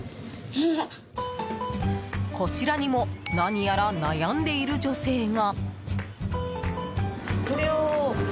こちらにも何やら悩んでいる女性が。